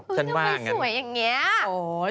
ก็ไม่สวยอย่างนี้